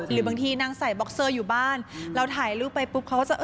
หรือบางทีนั่งใส่บ็อกเซอร์อยู่บ้านเราถ่ายรูปไปปุ๊บเขาก็จะเออ